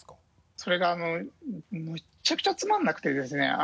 それがあのむちゃくちゃつまらなくてですね。